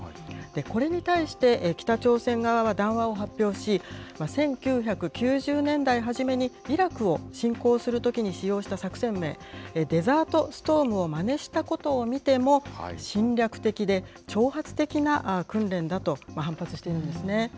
これに対して北朝鮮側は談話を発表し、１９９０年代初めにイラクを侵攻するときに使用した作戦名、デザート・ストームをまねしたことを見ても、侵略的で挑発的な訓練だと反発しているんですね。